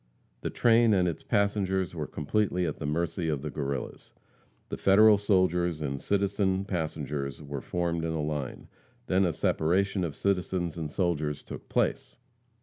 The train and its passengers were completely at the mercy of the Guerrillas. The Federal soldiers and citizen passengers were formed in a line. Then a separation of citizens and soldiers took place.